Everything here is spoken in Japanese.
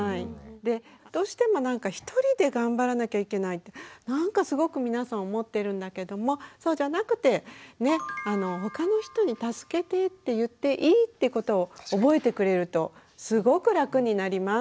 でどうしてもなんかひとりで頑張らなきゃいけないってなんかすごく皆さん思ってるんだけどもそうじゃなくて他の人に「助けて」って言っていいってことを覚えてくれるとすごく楽になります。